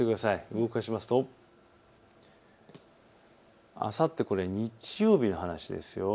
動かしますとあさって日曜日の話です。